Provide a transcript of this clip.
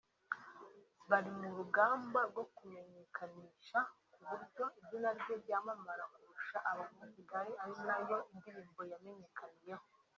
bari mu rugamba rwo kumumenyekanisha ku buryo izina rye ryamamara kurusha “Abanyakigali” ari nayo ndirimbo yamenyekaniyeho